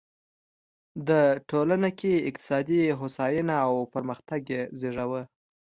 د ټولنه کې اقتصادي هوساینه او پرمختګ یې زېږاوه.